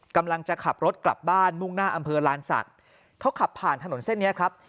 กำลังจะขับรถกลับบ้านมุ่งหน้าอำเภอลานศักดิ์เขาขับผ่านถนนเส้นนี้ครับ